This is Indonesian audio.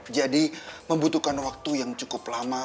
jadi membutuhkan waktu yang cukup lama